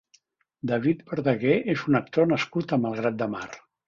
David Verdaguer és un actor nascut a Malgrat de Mar.